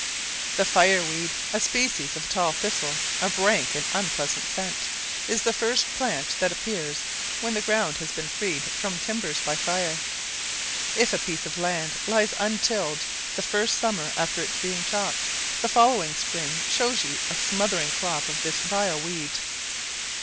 The fire weed, a species of tall thistle of rank and unpleasant scent, is the first plant that appears when the ground has been freed from timbers by fire: if a piece of land lies untilled the first summer after its being chopped, the following spring shows you a smothering crop of this vile weed.